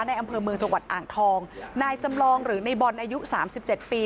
อำเภอเมืองจังหวัดอ่างทองนายจำลองหรือในบอลอายุสามสิบเจ็ดปี